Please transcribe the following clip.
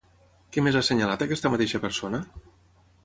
Què més ha assenyalat aquesta mateixa persona?